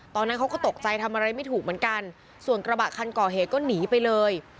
ตอนนั้นเขาก็ตกใจทำอะไรไม่ถูกเหมือนกันส่วนกระบะคันก่อเหตุก็หนีไปเลย